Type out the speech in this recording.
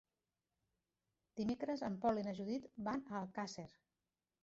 Dimecres en Pol i na Judit van a Alcàsser.